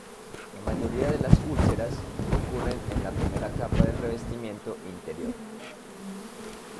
La mayoría de las úlceras ocurren en la primera capa del revestimiento interior.